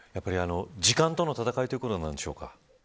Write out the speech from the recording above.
時間との闘いということになるのでしょうか。